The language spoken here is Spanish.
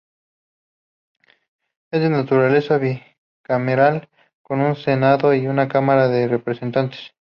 Es de naturaleza bicameral con un Senado y una Cámara de Representantes.